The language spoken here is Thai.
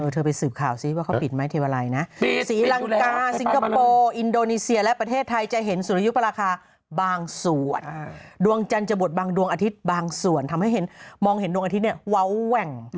ทำให้มองเห็นดวงอาทิตย์เนี่ยเว้าแหว่ง